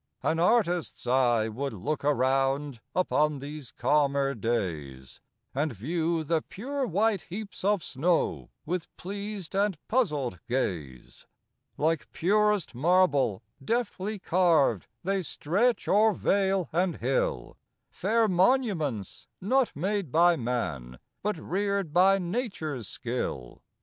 An artist's eye would look around, Upon these calmer days, And view the pure white heaps of snow, With pleas'd and puzzl'd gaze. Like purest marble, deftly carv'd, They stretch o'er vale and hill, Fair monuments, not made by man, But rear'd by nature's skill.